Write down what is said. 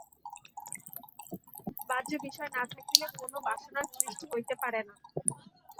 বাহ্য বিষয় না থাকিলে কোন বাসনার সৃষ্টি হইতে পারে না।